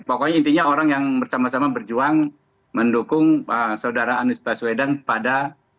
pokoknya intinya orang yang bersama sama berjuang mendukung saudara anies baswedan pada